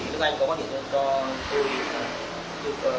đức anh có có địa chỉ cho tôi